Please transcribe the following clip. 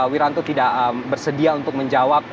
wiranto tidak bersedia untuk menjawab